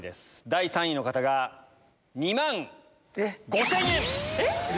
第３位の方が２万５０００円！